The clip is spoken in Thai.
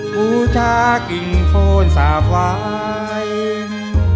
ผู้ช่างกินโฟนสาวไวน์